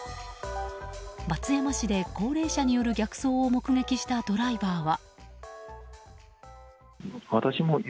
松山市で高齢者による逆走を目撃したドライバーは。